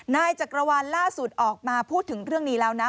นายจักรวาลล่าสุดออกมาพูดถึงเรื่องนี้แล้วนะ